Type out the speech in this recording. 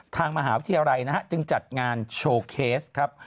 ทางมหาวิทยาลัยนะฮะจึงจัดงานโชว์เคสครับ